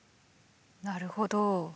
なるほど。